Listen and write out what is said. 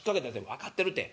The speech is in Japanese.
「分かってるて。